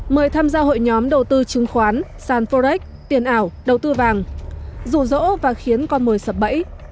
mời tham gia hội nhóm đầu tư chứng khoán san forex tiền ảo đầu tư vàng rủ rỗ và khiến con mồi sập bẫy